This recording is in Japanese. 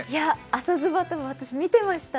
「朝ズバッ！」とか見てました。